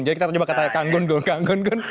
jadi kita coba kata kang gung gun